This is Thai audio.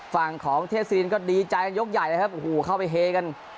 ฝั่งของเทศซีรีส์ก็ดีใจกันยกใหญ่นะครับอูหูเข้าไปเฮกัน